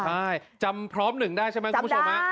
อ๋อใช่จำพร้อม๑ได้ใช่มั้ยคุณผู้ชม